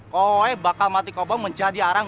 kau bakal mati kau bang menjadi arang